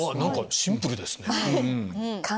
シンプルですね。